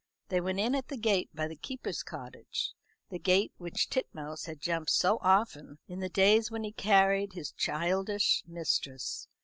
They went in at the gate by the keeper's cottage, the gate which Titmouse had jumped so often in the days when he carried his childish mistress.